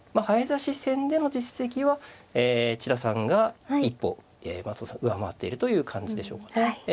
早指し戦での実績は千田さんが一歩松尾さんを上回っているという感じでしょうか。